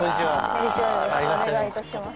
こんにちはよろしくお願い致します。